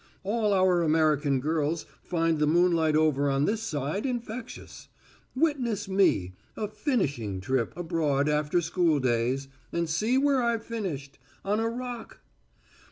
All our American girls find the moonlight over on this side infectious. Witness me a 'finishing trip' abroad after school days and see where I've finished on a Rock!"